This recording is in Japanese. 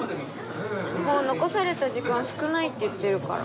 もう残された時間は少ないって言ってるから。